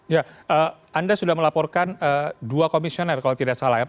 ya anda sudah melaporkan dua komisioner kalau tidak salah ya